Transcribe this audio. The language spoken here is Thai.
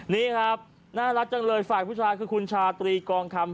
นี่ครับน่ารักจังเลยฝ่ายผู้ชายคือคุณชาตรีกองคำ